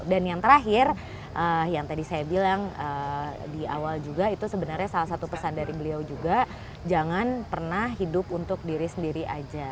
dan yang terakhir yang tadi saya bilang di awal juga itu sebenarnya salah satu pesan dari beliau juga jangan pernah hidup untuk diri sendiri aja